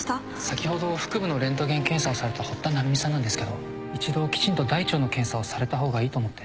先ほど腹部のレントゲン検査をされた堀田成美さんなんですけど一度きちんと大腸の検査をされた方がいいと思って。